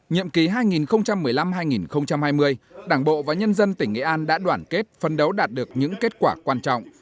nhiệm ký hai nghìn một mươi năm hai nghìn hai mươi đảng bộ và nhân dân tỉnh nghệ an đã đoàn kết phân đấu đạt được những kết quả quan trọng